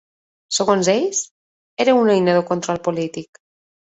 Segons ells, era una eina de control polític.